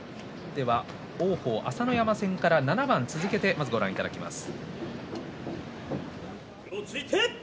王鵬、朝乃山戦から７番ご覧いただきます。